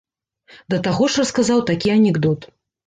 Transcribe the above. Да таго ж расказаў такі анекдот.